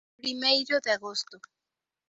Primeiro de Agosto.